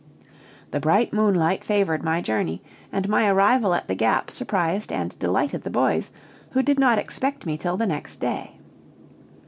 The bright moonlight favored my journey, and my arrival at the Gap surprised and delighted the boys, who did not expect me till the next day.